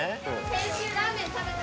先週ラーメン食べた？